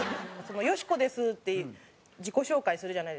「よしこです」って自己紹介するじゃないですか。